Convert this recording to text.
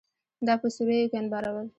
دا په سوریو کې انبارول